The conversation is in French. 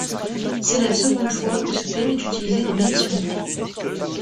C'est la seconde fois que ce thème est utilisé dans l'émission.